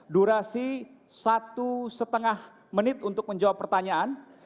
durasi satu lima menit untuk menjawab pertanyaan